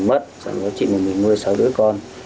mất sau đó chị mình mới nuôi sáu đứa con